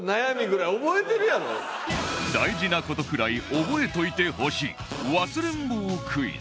大事な事くらい覚えといてほしい忘れん坊クイズ